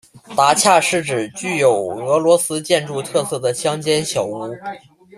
达恰是指具有俄罗斯建筑特色的乡间小屋。